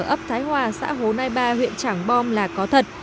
tình trạng khai thác đất trái phép ở ấp thái hòa xã hồ nai ba huyện trảng bom là có thật